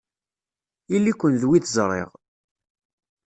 Ili-ken d wid ẓriɣ!